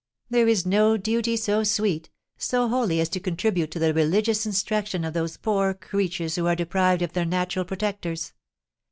"There is no duty so sweet—so holy as to contribute to the religious instruction of those poor creatures who are deprived of their natural protectors.